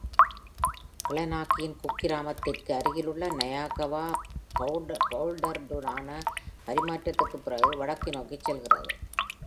க்ளெனார்க்கியின் குக்கிராமத்திற்கு அருகிலுள்ள நயாகவா பவுல்வர்டுடனான பரிமாற்றத்திற்குப் பிறகு வடக்கு நோக்கிச் செல்கிறது.